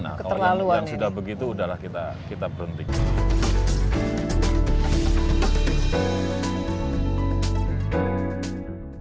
nah kalau yang sudah begitu udahlah kita berhentikan